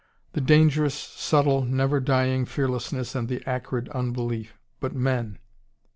The dangerous, subtle, never dying fearlessness, and the acrid unbelief. But men!